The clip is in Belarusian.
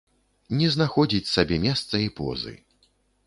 Не знаходзіць сабе месца і позы.